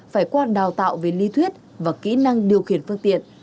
phải qua đào tạo về lý thuyết và kỹ năng điều khiển phương tiện